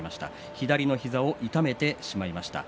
左の膝を痛めてしまいました。